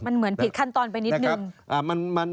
มันเหมือนผิดขั้นตอนไปนิดนึง